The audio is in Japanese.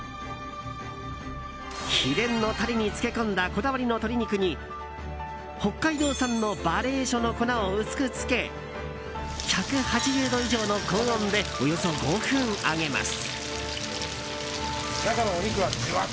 秘伝のタレに漬け込んだこだわりの鶏肉に北海道産のバレイショの粉を薄くつけ１８０度以上の高温でおよそ５分揚げます。